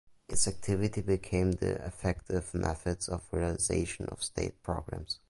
Its activity became the effective methods of realization of state programs.